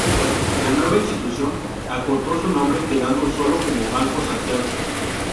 La nueva institución acortó su nombre, quedando sólo como Banco Santiago.